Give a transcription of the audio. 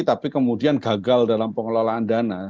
tapi kemudian gagal dalam pengelolaan dana